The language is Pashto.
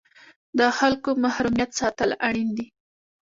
د خلکو محرمیت ساتل اړین دي؟